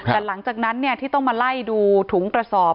แต่หลังจากนั้นที่ต้องมาไล่ดูถุงกระสอบ